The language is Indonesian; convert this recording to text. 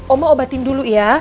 oma obatin dulu ya